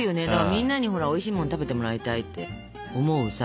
みんなにほらおいしいもん食べてもらいたいって思うさ